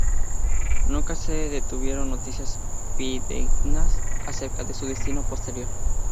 Nunca se tuvieron noticias fidedignas acerca de su destino posterior.